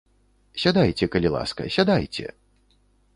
Сядайце, калі ласка, сядайце!